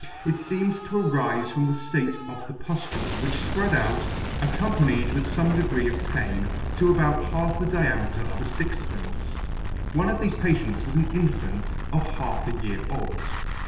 It feemed to arife from the ftate of the puftule, which fpread out, accompanied with fome degree of pain, to about half the diameter of a fixpence. One of thefe patients was an infant of half a year old.